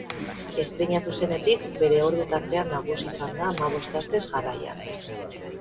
Estreinatu zenetik, bere ordu tartean nagusi izan da hamabost astez jarraian.